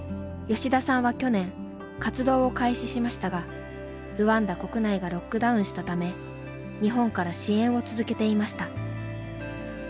吉田さんは去年活動を開始しましたがルワンダ国内がロックダウンしたため日本から支援を続けていました。